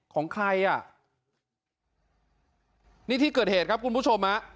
ของใครอ่ะนี่ที่เกิดเหตุครับคุณผู้ชมฮะ